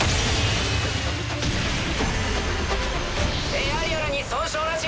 エアリアルに損傷なし。